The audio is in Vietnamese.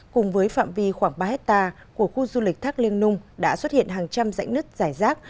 cùng với phạm vi khoảng ba hectare của khu du lịch thác liêng nung đã xuất hiện hàng trăm dãy nứt dài rác